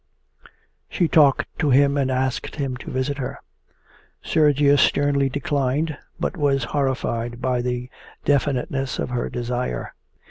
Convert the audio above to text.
She talked to him and asked him to visit her. Sergius sternly declined, but was horrified by the definiteness of his desire.